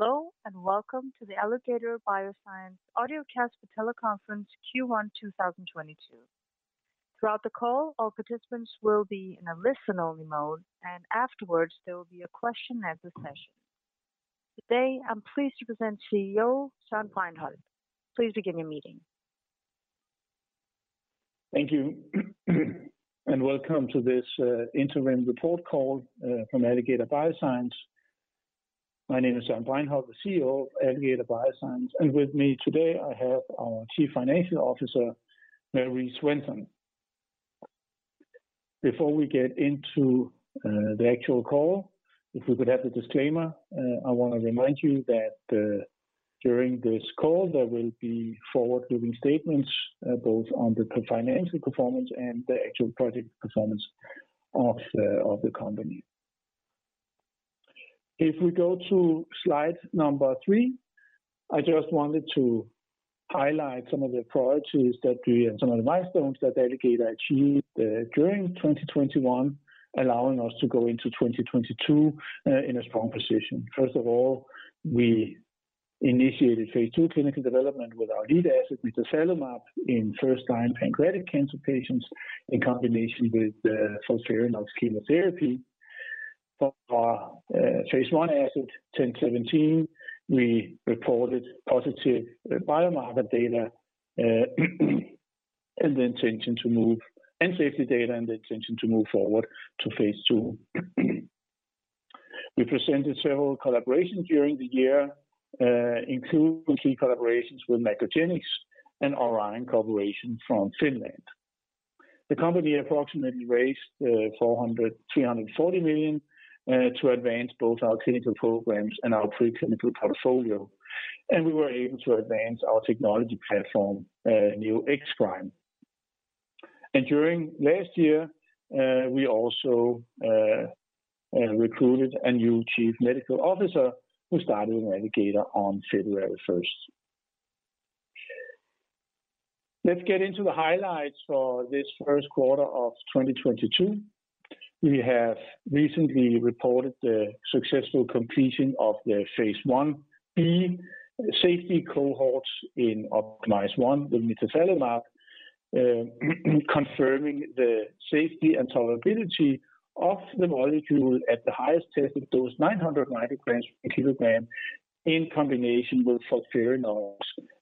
Hello, and welcome to the Alligator Bioscience audiocast for teleconference Q1 2022. Throughout the call, all participants will be in a listen-only mode, and afterwards there will be a question and answer session. Today, I'm pleased to present CEO, Søren Bregenholt. Please begin your meeting. Thank you. Welcome to this interim report call from Alligator Bioscience. My name is Søren Bregenholt, the CEO of Alligator Bioscience. With me today, I have our Chief Financial Officer, Marie Svensson. Before we get into the actual call, if we could have the disclaimer, I wanna remind you that during this call, there will be forward-looking statements both on the financial performance and the actual project performance of the company. If we go to slide number 3, I just wanted to highlight some of the priorities that we and some of the milestones that Alligator achieved during 2021, allowing us to go into 2022 in a strong position. First of all, we initiated phase II clinical development with our lead asset mitazalimab in first-line pancreatic cancer patients in combination with FOLFIRINOX chemotherapy. For our phase I asset ATOR-1017, we reported positive biomarker data and safety data and the intention to move forward to phase II. We presented several collaborations during the year, including key collaborations with MacroGenics and Orion Corporation from Finland. The company approximately raised 340 million to advance both our clinical programs and our preclinical portfolio. We were able to advance our technology platform, Neo-X-Prime. During last year, we also recruited a new Chief Medical Officer who started with Alligator on February 1st. Let's get into the highlights for this first quarter of 2022. We have recently reported the successful completion of the phase I-B safety cohorts in OPTIMIZE-1 with mitazalimab, confirming the safety and tolerability of the molecule at the highest tested dose, 900 mg/kg in combination with FOLFIRINOX,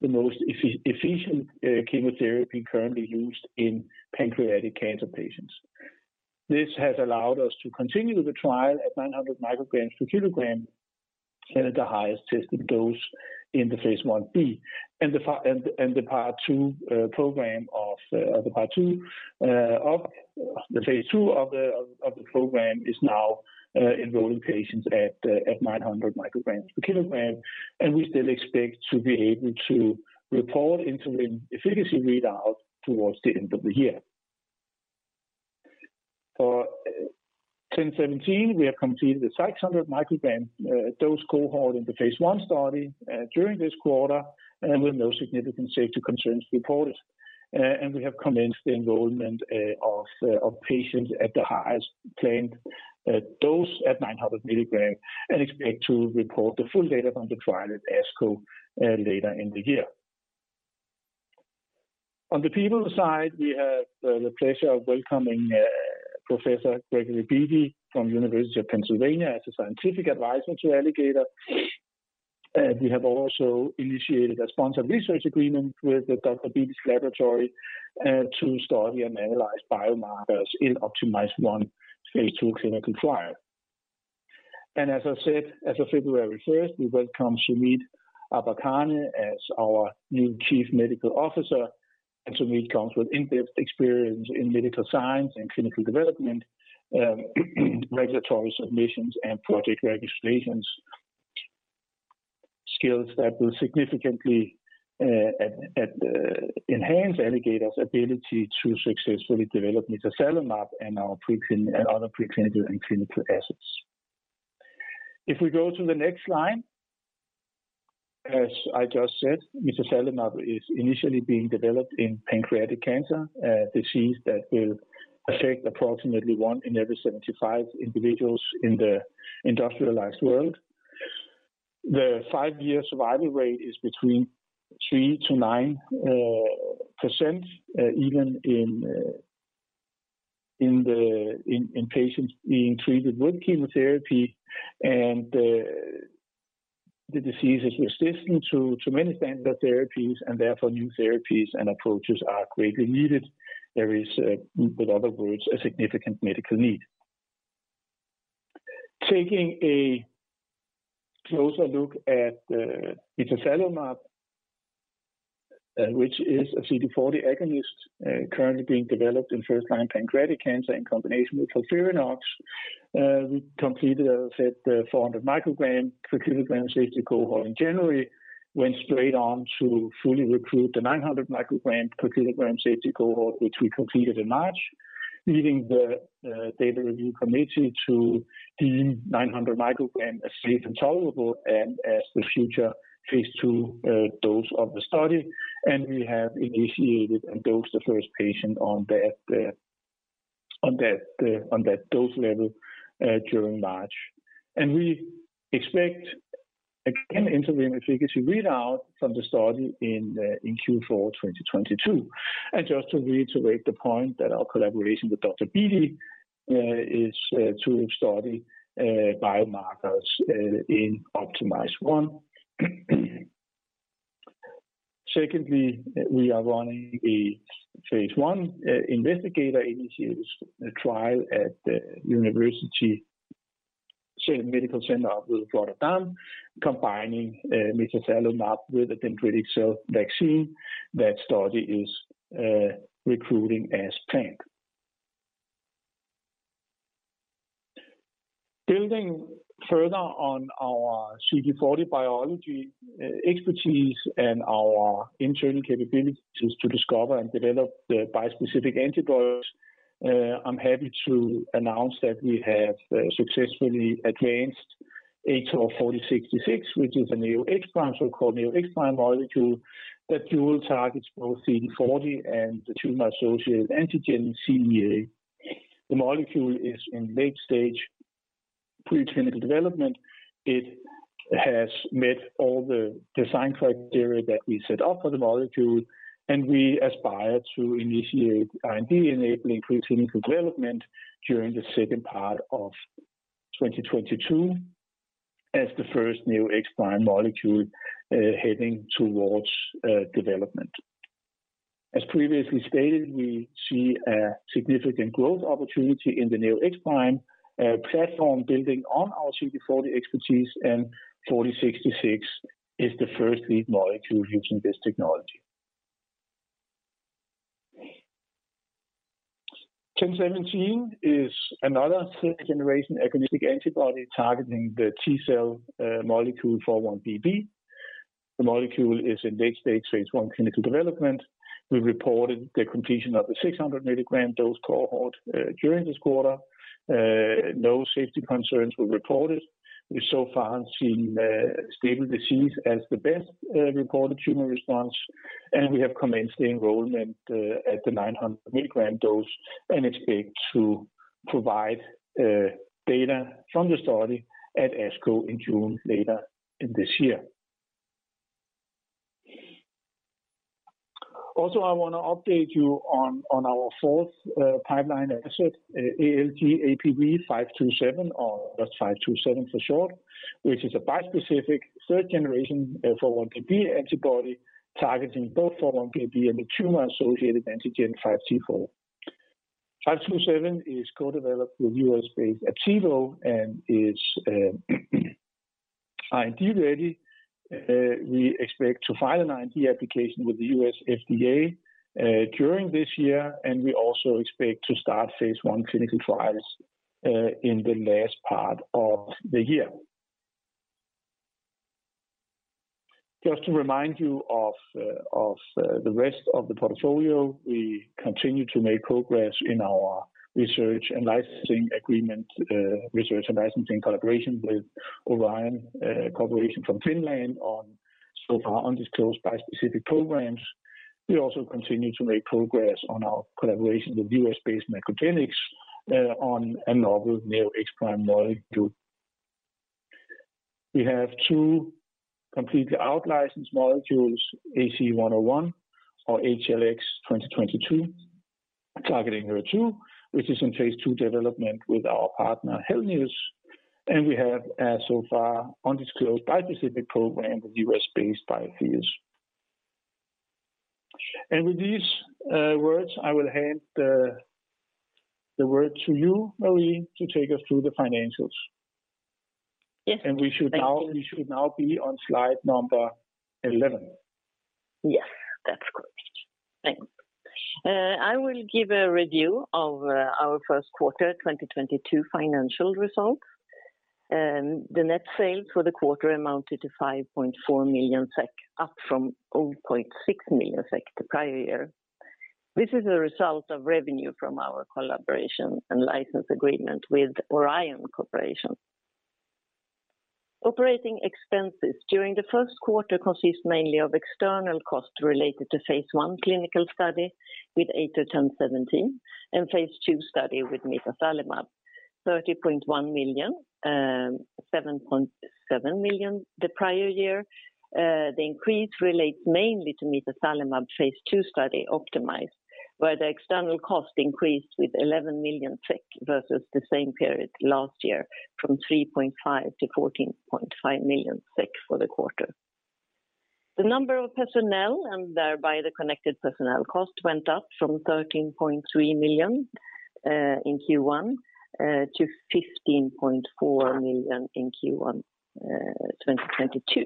the most efficient chemotherapy currently used in pancreatic cancer patients. This has allowed us to continue the trial at 900 mg/kg and at the highest tested dose in the phase I-B. The part two of the phase II of the program is now enrolling patients at 900 mg/kg, and we still expect to be able to report interim efficacy readout towards the end of the year. For ATOR-1017, we have completed the 600 mg dose cohort in the phase I study during this quarter and with no significant safety concerns reported. We have commenced the enrollment of patients at the highest planned dose at 900 mg and expect to report the full data from the trial at ASCO later in the year. On the people side, we have the pleasure of welcoming Professor Gregory Beatty from University of Pennsylvania as a scientific advisor to Alligator. We have also initiated a sponsored research agreement with Dr. Beatty's laboratory to study and analyze biomarkers in OPTIMIZE-1 phase II clinical trial. As I said, as of February 1st, we welcome Sumeet Ambarkhane as our new Chief Medical Officer. Sumeet comes with in-depth experience in medical science and clinical development, regulatory submissions and project registrations, skills that will significantly enhance Alligator's ability to successfully develop mitazalimab and our other preclinical and clinical assets. If we go to the next slide. As I just said, mitazalimab is initially being developed in pancreatic cancer, a disease that will affect approximately one in every 75 individuals in the industrialized world. The five-year survival rate is between 3%-9%, even in patients being treated with chemotherapy. The disease is resistant to many standard therapies, and therefore new therapies and approaches are greatly needed. There is, in other words, a significant medical need. Taking a closer look at mitazalimab, which is a CD40 agonist, currently being developed in first-line pancreatic cancer in combination with FOLFIRINOX. We completed, as I said, the 400 microgram per kilogram safety cohort in January, went straight on to fully recruit the 900 mg/kg safety cohort, which we completed in March, leading the data review committee to deem 900 mg as safe and tolerable and as the future phase II dose of the study. We have initiated and dosed the first patient on that dose level during March. We expect, again, interim efficacy readout from the study in Q4 2022. Just to reiterate the point that our collaboration with Dr. Beatty is to study biomarkers in OPTIMIZE-1. Secondly, we are running a phase I investigator-initiated trial at the University Medical Center of Rotterdam, combining mitazalimab with a dendritic cell vaccine. That study is recruiting as planned. Building further on our CD40 biology expertise and our internal capabilities to discover and develop the bispecific antibodies, I'm happy to announce that we have successfully advanced ATOR-4066, which is a Neo-X-Prime, so-called Neo-X-Prime molecule that dual targets both CD40 and the tumor-associated antigen CEA. The molecule is in late-stage preclinical development. It has met all the design criteria that we set up for the molecule, and we aspire to initiate IND-enabling preclinical development during the second part of 2022 as the first Neo-X-Prime molecule heading towards development. As previously stated, we see a significant growth opportunity in the Neo-X-Prime platform building on our CD40 expertise, and 4066 is the first lead molecule using this technology. 1017 is another third-generation agonistic antibody targeting the T-cell molecule 4-1BB. The molecule is in late-stage phase I clinical development. We reported the completion of the 600 mg dose cohort during this quarter. No safety concerns were reported. We so far have seen stable disease as the best reported tumor response, and we have commenced the enrollment at the 900 mg dose and expect to provide data from the study at ASCO in June later in this year. I want to update you on our fourth pipeline asset, ALG.APV-527 or just 527 for short, which is a bispecific third generation 4-1BB antibody targeting both 4-1BB and the tumor-associated antigen 5T4. 527 is co-developed with U.S.-based Aptevo and is IND-ready. We expect to file an IND application with the U.S. FDA during this year, and we also expect to start phase I clinical trials in the last part of the year. Just to remind you of the rest of the portfolio, we continue to make progress in our research and licensing collaboration with Orion Corporation from Finland on so far undisclosed bispecific programs. We also continue to make progress on our collaboration with U.S.-based MacroGenics on a novel Neo-X-Prime molecule. We have two completely out-licensed molecules, AC101 or HLX22, targeting HER2, which is in phase II development with our partner, Henlius. We have so far undisclosed bispecific program with U.S.-based Biotheus. With these words, I will hand the word to you, Marie, to take us through the financials. Yes. Thank you. We should now be on slide number 11. Yes, that's correct. Thanks. I will give a review of our first quarter 2022 financial results. The net sales for the quarter amounted to 5.4 million SEK, up from 0.6 million SEK the prior year. This is a result of revenue from our collaboration and license agreement with Orion Corporation. Operating expenses during the first quarter consist mainly of external costs related to phase I clinical study with ATOR-1017 and phase II study with mitazalimab. 30.1 million, 7.7 million the prior year. The increase relates mainly to mitazalimab phase II study OPTIMIZE-1, where the external cost increased with 11 million SEK versus the same period last year from 3.5 million-14.5 million SEK for the quarter. The number of personnel and thereby the connected personnel cost went up from 13.3 million in Q1 to 15.4 million in Q1 2022.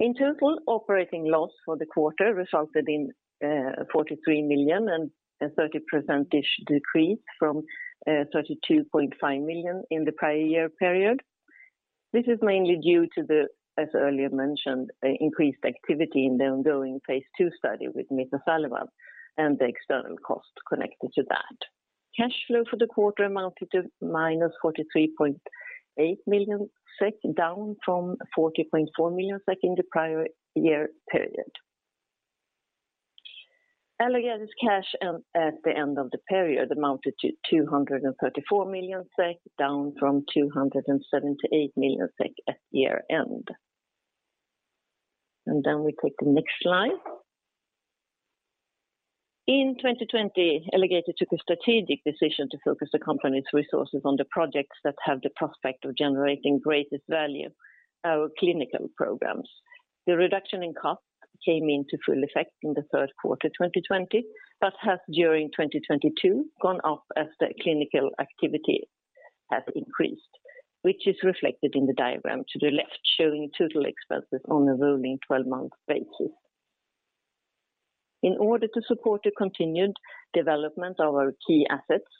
In total, operating loss for the quarter resulted in 43 million, a 30% decrease from 32.5 million in the prior year period. This is mainly due to the, as earlier mentioned, increased activity in the ongoing phase II study with mitazalimab and the external cost connected to that. Cash flow for the quarter amounted to -43.8 million SEK, down from 40.4 million SEK in the prior year period. Alligator's cash at the end of the period amounted to 234 million SEK, down from 278 million SEK at year-end. Then we take the next slide. In 2020, Alligator Bioscience took a strategic decision to focus the company's resources on the projects that have the prospect of generating greatest value, our clinical programs. The reduction in cost came into full effect in the third quarter of 2020, but has during 2022 gone up as the clinical activity has increased, which is reflected in the diagram to the left, showing total expenses on a rolling twelve-month basis. In order to support the continued development of our key assets,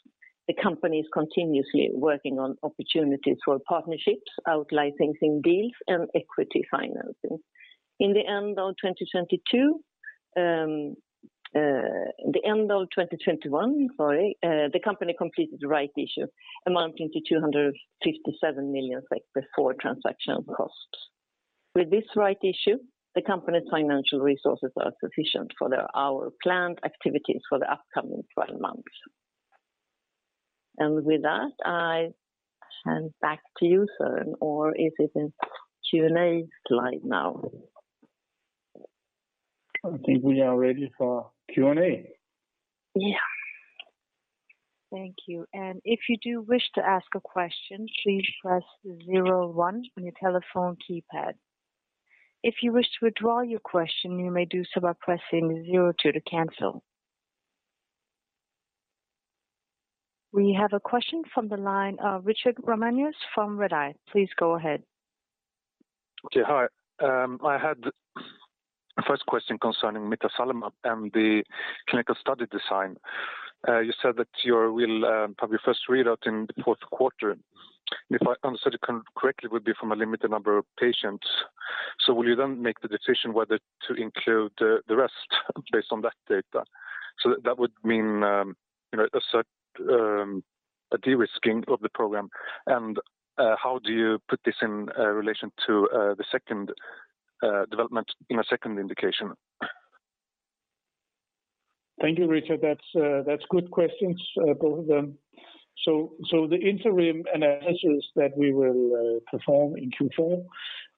the company is continuously working on opportunities for partnerships, out-licensing deals, and equity financing. At the end of 2021, the company completed the rights issue amounting to 257 million before transactional costs. With this rights issue, the company's financial resources are sufficient for our planned activities for the upcoming 12 months. With that, I hand back to you, Søren, or is it in Q&A slide now? I think we are ready for Q&A. Yeah. Thank you. If you do wish to ask a question, please press zero one on your telephone keypad. If you wish to withdraw your question, you may do so by pressing zero two to cancel. We have a question from the line of Richard Ramanius from Redeye. Please go ahead. Okay. Hi. I had the first question concerning mitazalimab and the clinical study design. You said that you will have your first readout in the fourth quarter. If I understood it correctly, it would be from a limited number of patients. Will you then make the decision whether to include the rest based on that data? That would mean, you know, a sort of de-risking of the program. How do you put this in relation to the second development in a second indication? Thank you, Richard. That's good questions, both of them. The interim analysis that we will perform in Q4,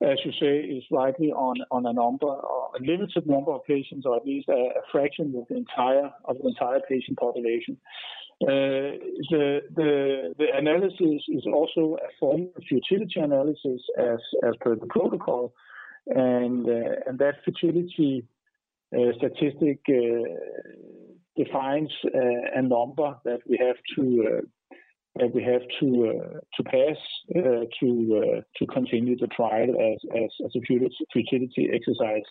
as you say, is likely on a number or a limited number of patients or at least a fraction of the entire patient population. The analysis is also a form of futility analysis as per the protocol. That futility statistic defines a number that we have to pass to continue the trial as a futility exercise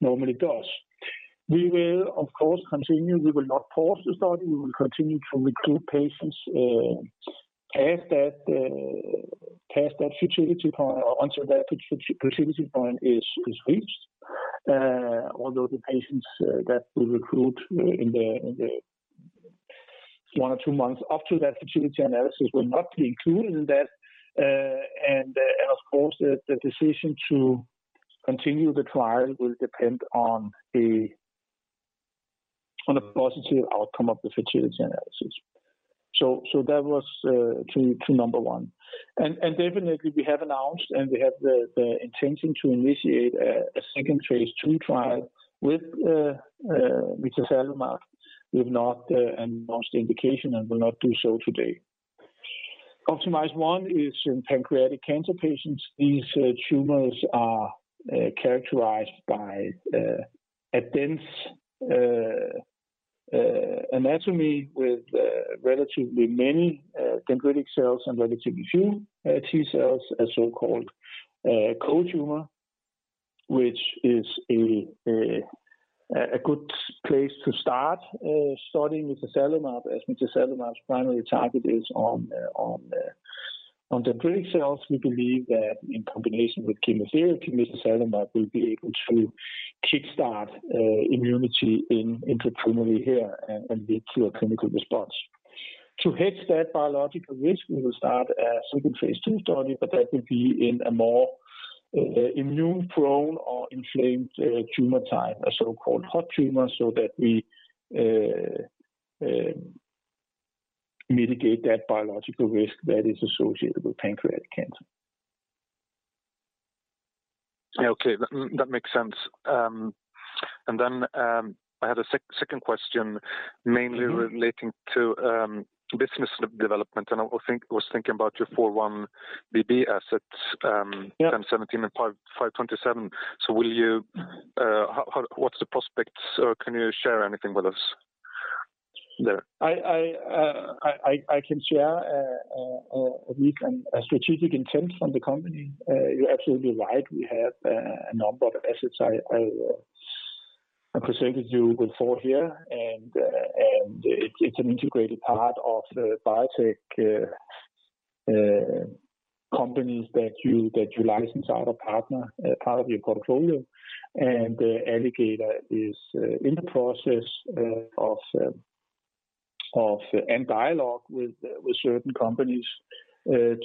normally does. We will, of course, continue. We will not pause the study. We will continue to recruit patients past that futility point or until that futility point is reached. Although the patients that we recruit in the one or two months after that futility analysis will not be included in that. Of course, the decision to continue the trial will depend on a positive outcome of the futility analysis. That was to number one. Definitely we have announced, and we have the intention to initiate a second phase II trial with mitazalimab. We have not announced the indication and will not do so today. OPTIMIZE-1 is in pancreatic cancer patients. These tumors are characterized by a dense stroma with relatively many dendritic cells and relatively few T-cells as so-called cold tumor, which is a good place to start starting mitazalimab as mitazalimab's primary target is on dendritic cells. We believe that in combination with chemotherapy, mitazalimab will be able to kickstart immunity intratumorally here and lead to a clinical response. To hedge that biological risk, we will start a second phase II study, but that will be in a more immune-prone or inflamed tumor type, a so-called hot tumor, so that we mitigate that biological risk that is associated with pancreatic cancer. Okay. That makes sense. I had a second question mainly relating to business development, and I was thinking about your 4-1BB assets. ATOR-1017 and 5T4, ALG.APV-527. What's the prospects? Or can you share anything with us there? I can share a view on the strategic intent from the company. You're absolutely right. We have a number of assets I presented to you before here. It's an integrated part of the biotech companies that you license out or partner as part of your portfolio. Alligator is in the process of dialogue with certain companies to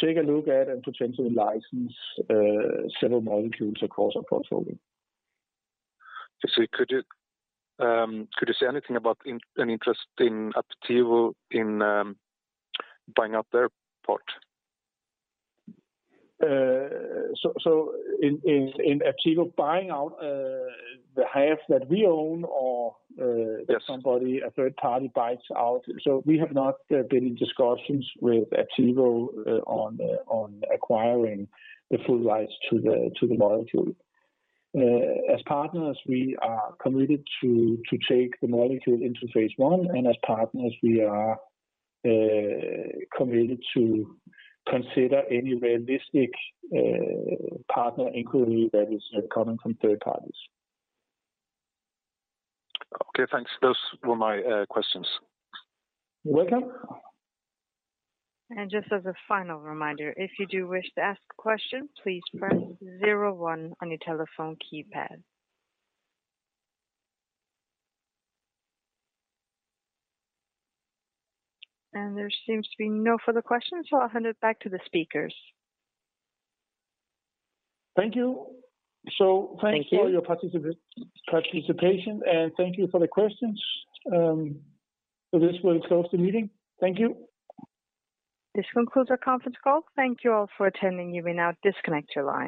take a look at and potentially license several molecules across our portfolio. I see. Could you say anything about an interest in Aptevo in buying out their part? In Aptevo buying out the half that we own or Yes. Somebody, a third party buys out. We have not been in discussions with Aptevo on acquiring the full rights to the molecule. As partners, we are committed to take the molecule into phase I, and as partners, we are committed to consider any realistic partner inquiry that is coming from third parties. Okay, thanks. Those were my questions. You're welcome. Just as a final reminder, if you do wish to ask a question, please press zero one on your telephone keypad. There seems to be no further questions, so I'll hand it back to the speakers. Thank you. Thank you for your participation, and thank you for the questions. This will close the meeting. Thank you. This concludes our conference call. Thank you all for attending. You may now disconnect your line.